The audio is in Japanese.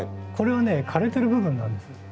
これはね枯れてる部分なんです。